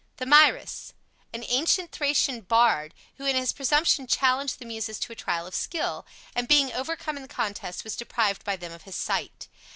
THAMYRIS An ancient Thracian bard, who in his presumption challenged the Muses to a trial of skill, and being overcome in the contest, was deprived by them of his sight.